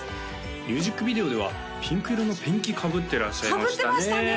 ミュージックビデオではピンク色のペンキかぶってらっしゃいましたねかぶってましたね